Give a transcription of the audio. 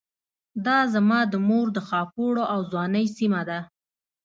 دا زما د مور د خاپوړو او ځوانۍ سيمه ده.